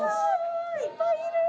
いっぱいいる！